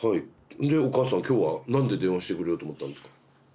お母さん今日は何で電話してくれようと思ったんですか？